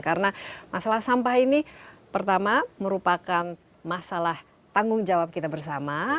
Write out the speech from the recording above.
karena masalah sampah ini pertama merupakan masalah tanggung jawab kita bersama